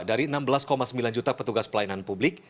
dari enam belas sembilan juta petugas pelayanan publik